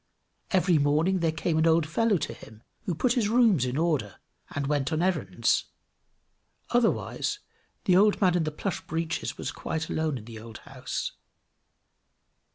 Every morning there came an old fellow to him who put his rooms in order, and went on errands; otherwise, the old man in the plush breeches was quite alone in the old house.